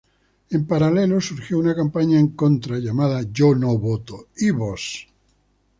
En paralelo surgió una campaña en contra, llamada "Yo no voto, ¿y vos?